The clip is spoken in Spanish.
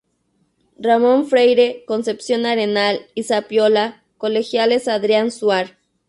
Ramón Freire, Concepción Arenal y Zapiola, Colegiales a Adrián Suar.